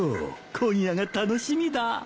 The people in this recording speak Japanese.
今夜が楽しみだ。